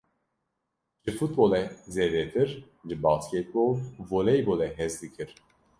Ji futbolê zêdetir, ji bastekbol û voleybolê hez dikir.